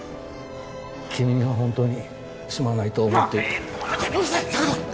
君には本当にすまないと思ってる